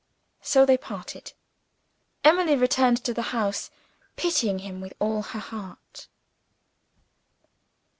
So they parted. Emily returned to the house, pitying him with all her heart.